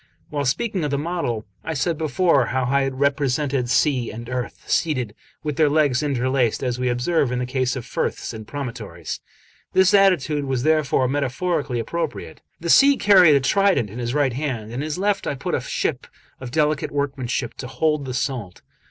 While speaking of the model, I said before how I had represented Sea and Earth, seated, with their legs interlaced, as we observe in the case of firths and promontories; this attitude was therefore metaphorically appropriate. The Sea carried a trident in his right hand, and in his left I put a ship of delicate workmanship to hold the salt.